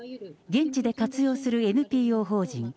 現地で活動するＮＰＯ法人